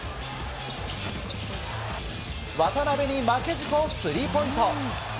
渡邊に負けじとスリーポイント。